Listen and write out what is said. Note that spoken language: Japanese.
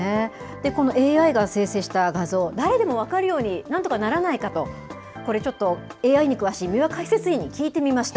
このＡＩが生成した画像、誰でも分かるようになんとかならないかと、これ、ちょっとＡＩに詳しい三輪解説委員に聞いてみました。